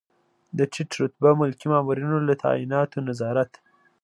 د ټیټ رتبه ملکي مامورینو له تعیناتو نظارت.